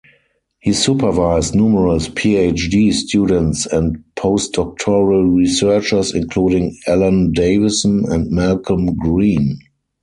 He supervised numerous PhD students and postdoctoral researchers including Alan Davison and Malcolm Green.